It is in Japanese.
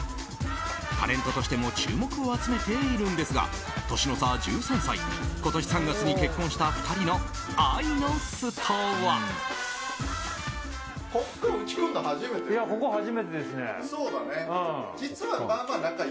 タレントとしても注目を集めているんですが年の差１３歳今年３月に結婚した２人の愛の巣とは。